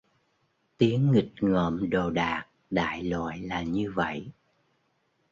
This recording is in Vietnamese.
Tiếng nghịch ngợm đồ đạc đại loại là như vậy